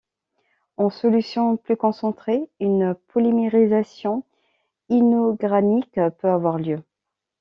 En solutions plus concentrées, une polymérisation inorganique peut avoir lieu.